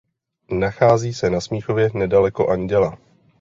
Nachází se na Smíchově nedaleko Anděla.